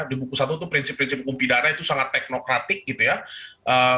di buku satu itu prinsip prinsip hukum pidana itu sangat teknokratik gitu ya